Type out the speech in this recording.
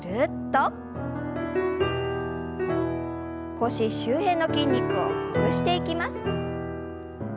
腰周辺の筋肉をほぐしていきます。